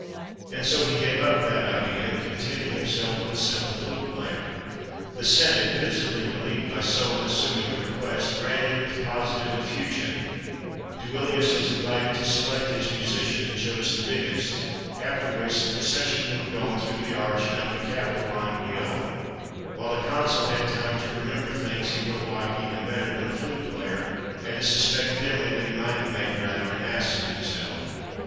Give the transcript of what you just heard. And so he gave up that idea, and contented himself with a simple flute player. The Senate, visibly relieved by so unassuming a request, granted it with positive effusion; Duilius was invited to select his musician, and chose the biggest, after which the procession moved on through the arch and up the Capitoline Hill, while the Consul had time to remember things he would have liked even better than a flute player, and to suspect dimly that he might have made rather an ass of himself.